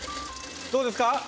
どうですか？